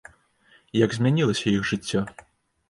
Як змянілася іх жыццё?